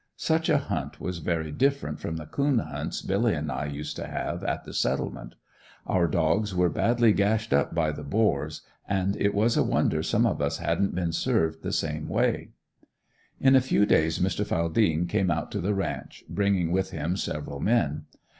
Such a hunt was very different from the coon hunts Billy and I used to have at the "Settlement." Our dogs were badly gashed up by the boars, and it was a wonder some of us hadn't been served the same way. In a few days Mr. Faldien came out to the ranch, bringing with him several men.